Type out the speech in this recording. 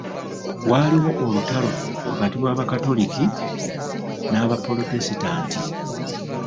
Waaliwo olutalo wakati w'Abakatoliki n'Abaprotestanti.